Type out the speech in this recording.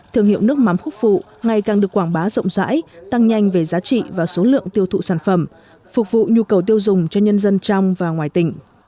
thương hiệu nước mắm quốc phụ ngày càng được quảng bá rộng rãi tăng nhanh về giá trị và số lượng tiêu thụ sản phẩm phục vụ nhu cầu tiêu dùng cho nhân dân trong và ngoài tỉnh